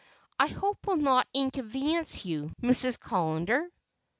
"I hope we'll not inconvenience you, Mrs. Callender."